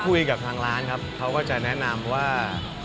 คุยกับทางร้านครับเขาก็จะแนะนำว่า